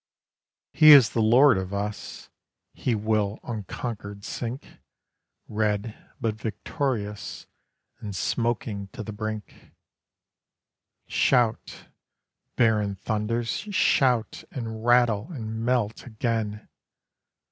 He is the lord of us; He will unconquered sink, Red, but victorious, And smoking to the brink. Shout, barren thunders, shout And rattle and melt again!